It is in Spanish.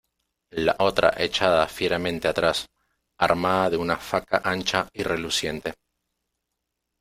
la otra echada fieramente atrás, armada de una faca ancha y reluciente.